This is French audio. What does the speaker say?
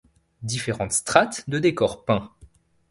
Différentes strates de décor peint.